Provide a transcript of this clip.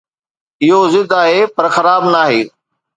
اهو ضد آهي، پر خراب ناهي